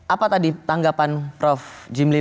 apa tadi tanggapan prof jimli